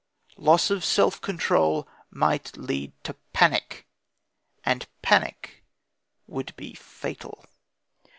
Loss of self control might lead to panic, and panic would be fatal.